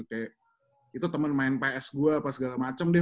kayak itu temen main ps gue apa segala macem deh